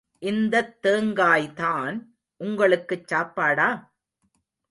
இந்தத் தேங்காய்தான் உங்களுக்குச் சாப்பாடா?